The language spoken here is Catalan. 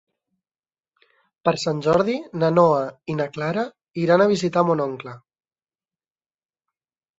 Per Sant Jordi na Noa i na Carla iran a visitar mon oncle.